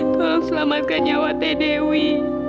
tolong selamatkan nyawa teh dewi